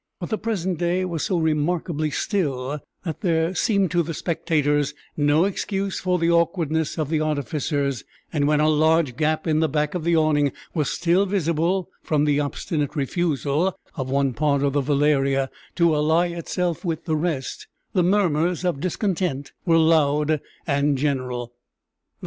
But the present day was so remarkably still that there seemed to the spectators no excuse for the awkwardness of the artificers; and when a large gap in the back of the awning was still visible, from the obstinate refusal of one part of the velaria to ally itself with the rest, the murmurs of discontent were loud and general.